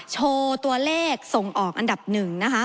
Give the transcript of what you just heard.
โชว์ตัวเลขส่งออกอันดับหนึ่งนะคะ